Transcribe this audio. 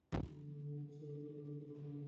উহা শরীরের গঠনকর্তা, কিন্তু উহা শরীর নহে।